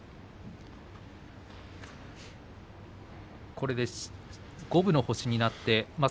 これで五分の星になった碧山。